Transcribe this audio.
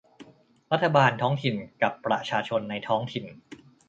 รัฐบาลท้องถิ่นกับประชาชนในท้องถิ่น